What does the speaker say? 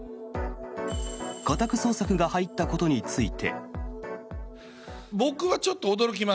家宅捜索が入ったことについて。